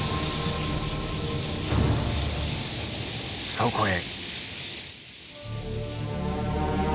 そこへ。